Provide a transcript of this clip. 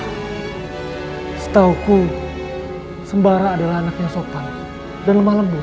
hai setauku sembara adalah anaknya sopan dan lemah lembut